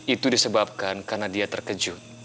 itu disebabkan karena dia terkejut